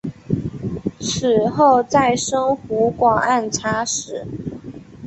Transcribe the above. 此后再升湖广按察使。